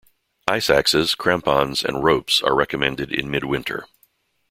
Ice axes, crampons and ropes are recommended in midwinter.